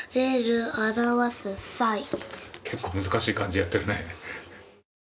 結構、難しい漢字をやっているね